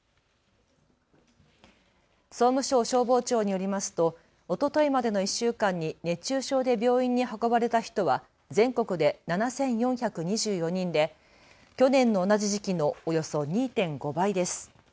総務省消防庁によりますとおとといまでの１週間に熱中症で病院に運ばれた人は全国で７４２４人で去年の同じ時期のおよそ２．５倍です。